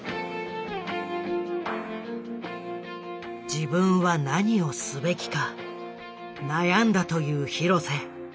自分は何をすべきか悩んだという廣瀬。